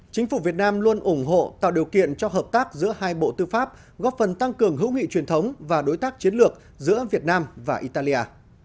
chính phủ việt nam luôn ủng hộ tạo điều kiện cho hợp tác giữa hai bộ tư pháp góp phần tăng cường hữu nghị truyền thống và đối tác chiến lược giữa việt nam và italia